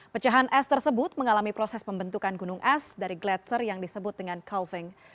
pecahan es tersebut mengalami proses pembentukan gunung es dari gletser yang disebut dengan calving